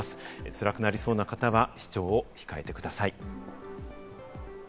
つらくなりそうな方は視聴を控えてください。